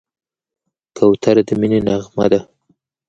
کوتره د مینې نغمه ده.